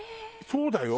そうだよ。